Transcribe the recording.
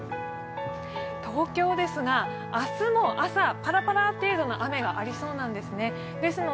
東京ですが、明日も朝、パラパラ程度の雨がありそうなんですね。